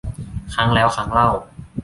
ครั้งแล้วครั้งเล่า